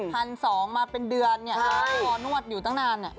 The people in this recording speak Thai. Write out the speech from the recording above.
พันสองมาเป็นเดือนเนี่ยแล้วพอนวดอยู่ตั้งนาน